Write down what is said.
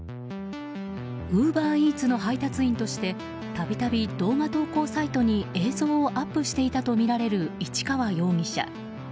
ウーバーイーツの配達員として度々、動画投稿サイトに映像をアップしていたとみられる市川容疑者。